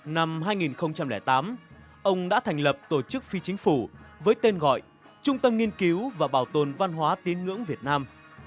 năm hai nghìn tám ông đã thành lập tổ chức phi chính phủ với tên gọi trung tâm nghiên cứu và bảo tồn văn hóa tín ngưỡng việt nam